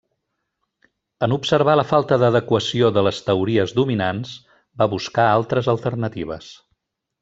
En observar la falta d'adequació de les teories dominants, va buscar altres alternatives.